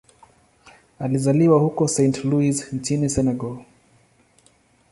Alizaliwa huko Saint-Louis nchini Senegal.